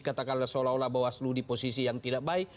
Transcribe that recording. katakan seolah olah bahwa selu di posisi yang tidak baik